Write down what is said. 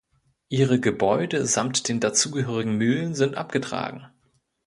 Ihre Gebäude samt den dazugehörigen Mühlen sind abgetragen.